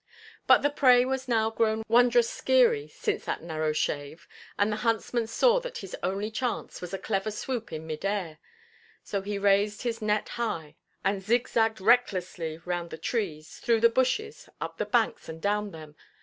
But the prey was now grown wondrous skeary since that narrow shave, and the huntsman saw that his only chance was a clever swoop in mid air. So he raised his net high, and zig–zagged recklessly round the trees, through the bushes, up the banks and down them.